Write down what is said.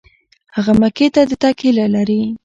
هغه مکې ته د تګ هیله لري.